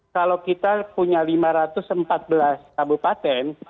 kalau kita punya lima ratus empat belas kabupaten